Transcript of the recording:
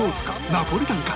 ナポリタンか？